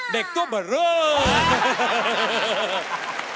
เด็กตัวบริขุม